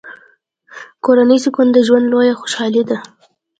کورنی سکون د ژوند لویه خوشحالي ده.